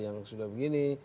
yang sudah begini